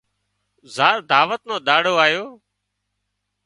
زار دعوت نو ۮاڙو آيو